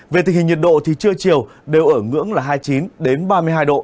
về tình hình nhiệt độ thì trưa chiều đều ở ngưỡng là hai mươi chín ba mươi hai độ